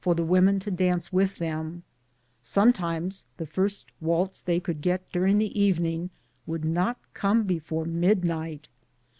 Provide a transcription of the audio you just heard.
129 the women to dance with them; sometimes the first waltz they conld get during the evening would not come before midnight.